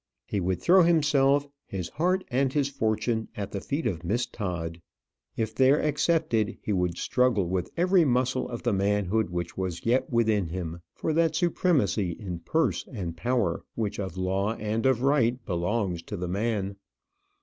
He would throw himself, his heart, and his fortune at the feet of Miss Todd. If there accepted, he would struggle with every muscle of the manhood which was yet within him for that supremacy in purse and power which of law and of right belongs to the man.